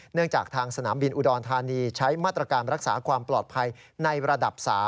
เนื่องจากทางสนามบินอุดรธานีใช้มาตรการรักษาความปลอดภัยในระดับ๓